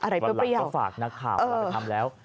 วันหลังก็ฝากนักข่าวเราไปทำแล้ว